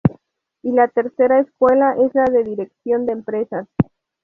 Y la tercera escuela es la de dirección de empresas.